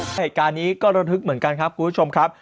เหตุการณ์นี้ก็ระทึกเหมือนกันครับคุณผู้ชมครับ